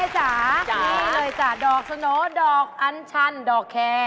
จ๋านี่เลยจ้ะดอกสโนดอกอัญชันดอกแคร์